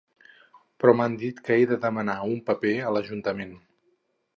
Però m'han dit que he de demanar un paper a l'ajuntament.